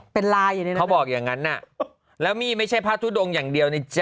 เป็นลายอยู่ในนั้นเขาบอกอย่างนั้นน่ะแล้วนี่ไม่ใช่พระทุดงอย่างเดียวในจิต